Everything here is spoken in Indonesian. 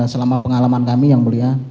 selama pengalaman kami yang mulia